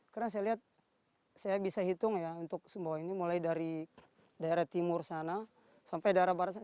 karena saya lihat saya bisa hitung ya untuk semua ini mulai dari daerah timur sana sampai daerah barat sana